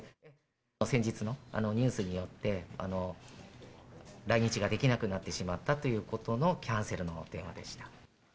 先日のあのニュースによって、来日ができなくなってしまったということのキャンセルの電話でした。